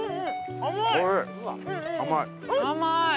甘い。